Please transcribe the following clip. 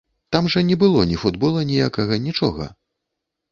Там жа не было ні футбола ніякага, нічога.